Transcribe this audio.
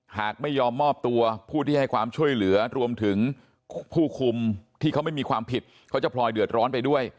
หากไม่ยอมมอบตัวผู้ที่ให้ความช่วยเหลือรวมถึงผู้คุมที่เขาไม่มีความผิดเขาจะพลอยเดือดร้อนไปด้วย